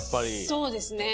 そうですね。